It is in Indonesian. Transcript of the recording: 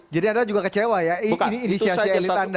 jadi anda juga kecewa ya ini ini inisiasi elit anda